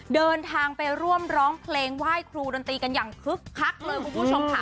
เดินทางไปร่วมร้องเพลงไหว้ครูดนตรีกันอย่างคึกคักเลยคุณผู้ชมค่ะ